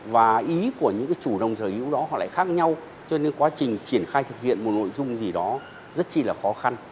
và ý của những chủ đồng sở hữu đó họ lại khác nhau cho nên quá trình triển khai thực hiện một nội dung gì đó rất chi là khó khăn